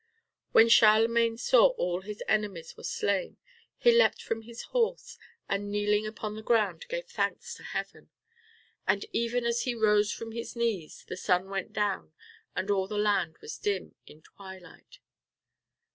When Charlemagne saw that all his enemies were slain, he leapt from his horse, and, kneeling upon the ground, gave thanks to Heaven. And even as he rose from his knees the sun went down and all the land was dim in twilight.